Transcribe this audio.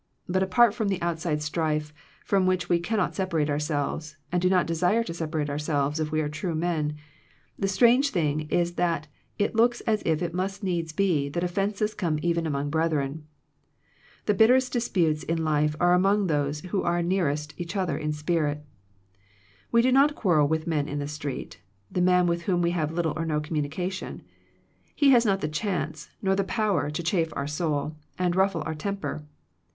But apart from the outside strife, from which we can not separate ourselves, and do not desire to separate ourselves if we are true men, the strange thing is that it looks as if it must needs be that offences come even among brethren. The bitterest disputes in life are among those who are nearest each other in spirit. We do not quarrel with the man in the street, the man with whom we have little or no communica tion. He has not the chance, nor the power, to chafe our soul, and ruffle our temper.